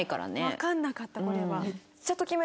わからなかったこれは。